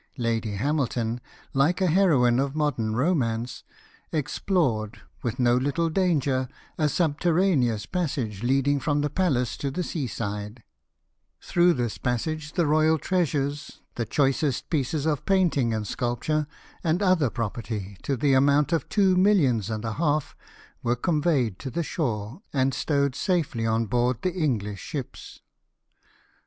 Lad}' Hamilton, like a heroine of modern romance, explored, with no Httle danger, a subterraneous passage, leading from the palace to the sea side : through this passage the royal treasures, the choicest pieces of painting and sculpture, and other property, to the amount of two millions and a half, were con veyed to the shore, and stowed safely on board the 174 LIFE OF NELSON. English ships.